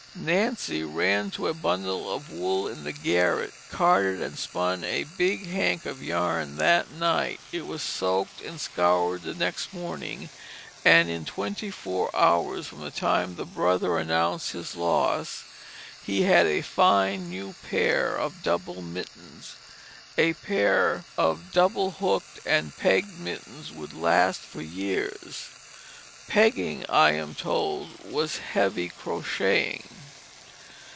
Nancy ran to a bundle of wool in the garret, carded and spun a big hank of yarn that night. It was soaked and scoured the next morning, and in twenty four hours from the time the brother announced his loss he had a fine new pair of double mittens. A pair of double hooked and pegged mittens would last for years. Pegging, I am told, was heavy crocheting.